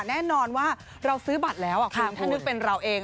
แน่นอนว่าเราซื้อบัตรแล้วคุณถ้านึกเป็นเราเอง